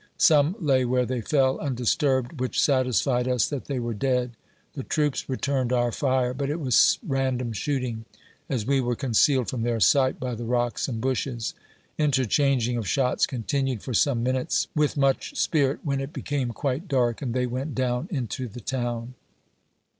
Some lay where they fell, undisturbed, which satisfied us that they were dead. The troops returned our fire, but it was random shooting, as we were concealed from their sight by the rocks and bushes. Interchanging of shots continued for some minutes, with much spirit, when it became quite dark, and they went down into the town.